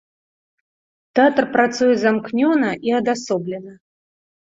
Тэатр працуе замкнёна і адасоблена.